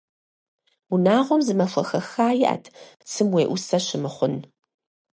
Унагъуэм зы махуэ хэха иӏэт цым уеӏусэ щымыхъун.